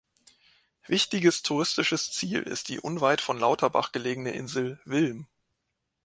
Wichtiges touristisches Ziel ist die unweit von Lauterbach gelegene Insel Vilm.